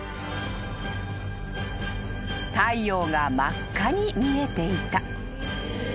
［太陽が真っ赤に見えていた］